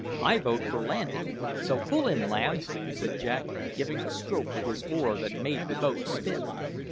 "I vote for landing; so pull in, lads!" said Jack, giving a stroke with his oar that made the boat spin.